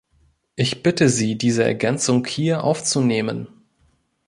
Ich bitte Sie, diese Ergänzung hier aufzunehmen.